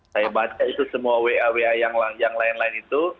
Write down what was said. saya baca itu semua wa wa yang lain lain itu